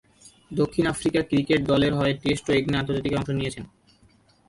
দক্ষিণ Africa cricket দলের হয়ে টেস্ট ও একদিনের আন্তর্জাতিকে অংশ নিয়েছেন।